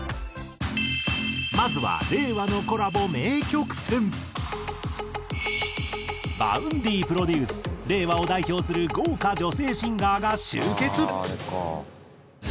まずはＶａｕｎｄｙプロデュース令和を代表する豪華女性シンガーが集結！